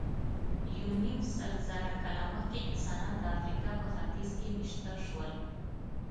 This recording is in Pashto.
یونیمسلزره کاله مخکې انسانان د افریقا په ختیځ کې مېشته شول.